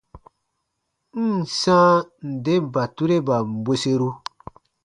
N ǹ sãa nde batureban bweseru.